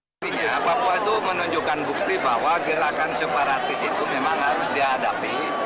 artinya papua itu menunjukkan bukti bahwa gerakan separatis itu memang harus dihadapi